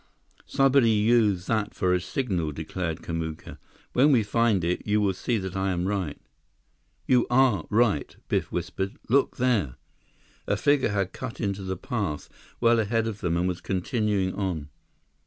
"Somebody use that for a signal," declared Kamuka. "When we find it, you will see that I am right—" "You are right," Biff whispered. "Look there!" A figure had cut into the path well ahead of them and was continuing on.